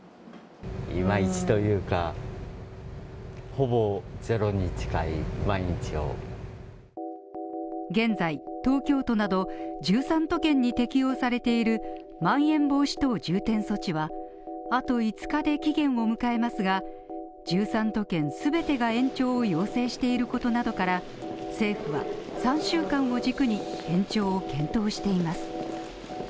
いまいちというか、ほぼゼロに近い毎日を現在、東京都など１３都県に適用されているまん延防止等重点措置は、あと５日で期限を迎えますが１３都県全てが延長を要請していることのなどから、政府は３週間を軸に延長を検討しています。